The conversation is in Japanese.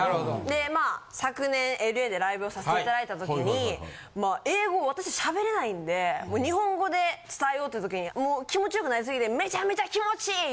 でまあ昨年Ｌ．Ａでライブをさせて頂いた時に英語は私しゃべれないんでもう日本語で伝えようって時にもう気持ち良くなりすぎて「めちゃめちゃ気持ちいい！」